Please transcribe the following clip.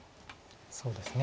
そうですね。